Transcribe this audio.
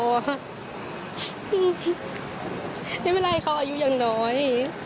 ไม่เป็นไรเขาอายุยังน้อย